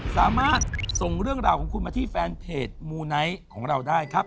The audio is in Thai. สามารถส่งเรื่องราวของคุณมาที่แฟนเพจมูไนท์ของเราได้ครับ